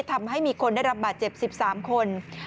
ทำให้มีคนได้รับบาดเจ็บ๑๓คน